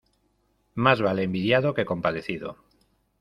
Más vale envidiado que compadecido.